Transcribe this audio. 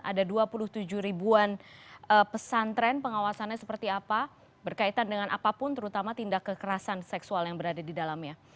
ada dua puluh tujuh ribuan pesantren pengawasannya seperti apa berkaitan dengan apapun terutama tindak kekerasan seksual yang berada di dalamnya